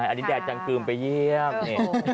อันนี้แดดจังกลืมไปเยี่ยมนี่